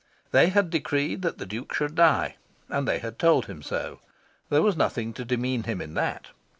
They had decreed that the Duke should die, and they had told him so. There was nothing to demean him in that.